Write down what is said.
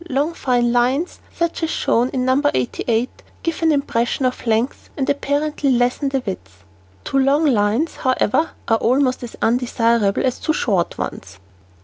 Long, fine lines, such as shown in No. 88, give an impression of length and apparently lessen the width. [Illustration: NO. 87] Too long lines, however, are almost as undesirable as too short ones.